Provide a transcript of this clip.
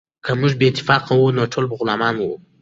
که موږ بې اتفاقه وو نو تل به غلامان وو.